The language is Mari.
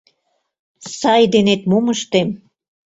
Сай денет мом ыштем?..